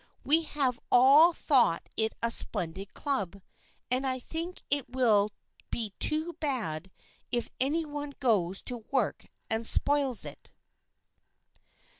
We have all thought it a splendid Club, and I think it will be too bad if any one goes to work and spoils it."